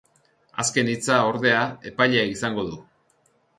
Azken hitza, ordea, epaileak izango du.